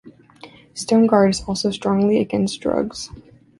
Stonegard is also strongly against drugs.